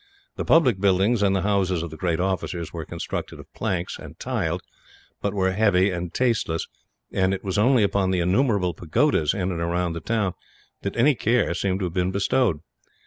The public buildings and the houses of the great officers were constructed of planks, and tiled; but were heavy and tasteless, and it was only upon the innumerable pagodas, in and around the town, that any care seemed to have been bestowed.